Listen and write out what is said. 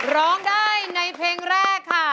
ร้องได้ในเพลงแรกค่ะ